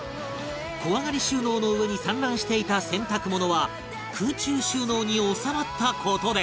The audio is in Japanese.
小上がり収納の上に散乱していた洗濯物は空中収納に収まった事で